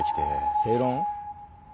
正論？